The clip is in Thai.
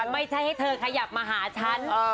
ไม่ใช่ให้เธอขยับมาหาฉัน